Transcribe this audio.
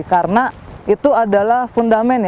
karena itu adalah fundament